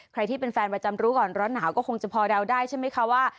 ใครที่เป็นแฟนประจำรู้ก่อนร้อนหนาวก็คงจะพอเดาได้ใช่ไหมคะว่า